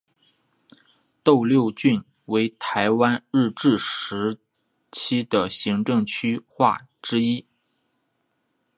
斗六郡为台湾日治时期的行政区划之一。